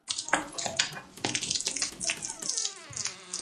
Russell was the subject of many of Lowell's explicit poems, such as "the Taxi".